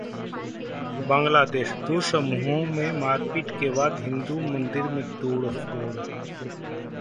बांग्लादेश: दो समूहों में मारपीट के बाद हिंदू मंदिर में तोड़फोड़